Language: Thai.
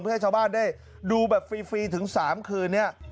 เพื่อให้ชาวบ้านได้ดูแบบฟรีถึง๓คืนนี้